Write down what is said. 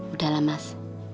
udah lah mas